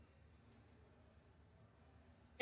ya nama nama tersebut ya